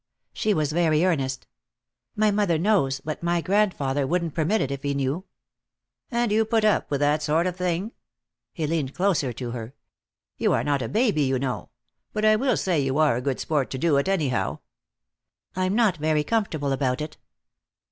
She was very earnest. "My mother knows, but my grandfather wouldn't permit it if he knew." "And you put up with that sort of thing?" He leaned closer to her. "You are not a baby, you know. But I will say you are a good sport to do it, anyhow." "I'm not very comfortable about it."